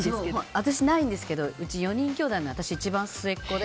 私、ないんですけどうち４人きょうだいの私、一番末っ子で。